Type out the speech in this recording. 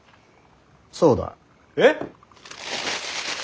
そうだ。えっ！